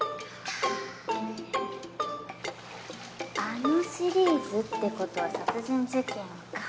あのシリーズってことは殺人事件か。